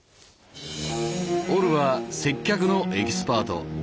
オルは接客のエキスパート。